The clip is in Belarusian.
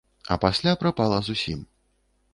А пасля прапала зусім.